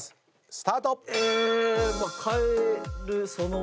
スタート！